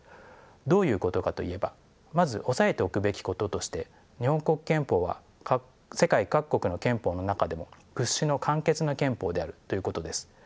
どういうことかといえばまず押さえておくべきこととして日本国憲法は世界各国の憲法の中でも屈指の簡潔な憲法であるということです。